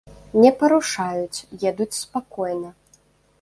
Не парушаюць, едуць спакойна.